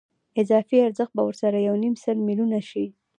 اضافي ارزښت به ورسره یو نیم سل میلیونه شي